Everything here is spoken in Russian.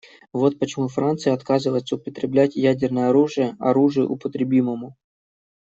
Вот почему Франция отказывается уподоблять ядерное оружие оружию употребимому.